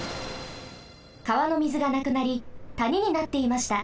かわのみずがなくなりたにになっていました。